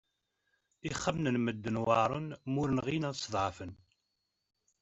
Ixxamen n medden weɛṛen ma ur nɣin ad sḍeɛfen!